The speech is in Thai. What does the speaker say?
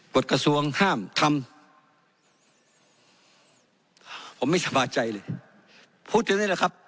กฎกระทรวงห้ามทำผมไม่สบายใจเลยพูดอย่างนี้แหละครับ